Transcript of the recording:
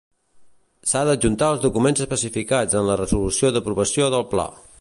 S'ha d'adjuntar els documents especificats en la resolució d'aprovació del pla.